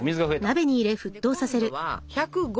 で今度は１０５。